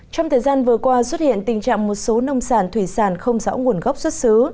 trong thời gian vừa qua xuất hiện tình trạng một số nông sản thủy sản không rõ nguồn gốc xuất xứ